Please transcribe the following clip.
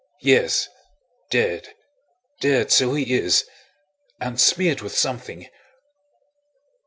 Yes; dead, dead, so he is... And smeared with something!"